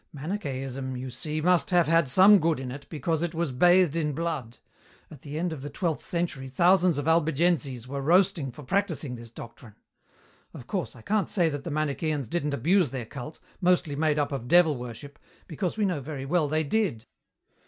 "Manicheism, you see, must have had some good in it, because it was bathed in blood. At the end of the twelfth century thousands of Albigenses were roasted for practising this doctrine. Of course, I can't say that the Manicheans didn't abuse their cult, mostly made up of devil worship, because we know very well they did.